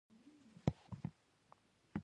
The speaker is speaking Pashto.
آیا د ایران تیل ارزانه دي؟